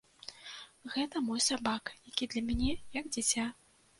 Гэта мой сабака, які для мяне як дзіця.